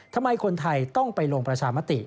ทำไมคนไทยต้องไปลงประชามติ